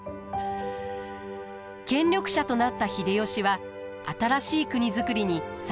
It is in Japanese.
権力者となった秀吉は新しい国造りに才覚を発揮します。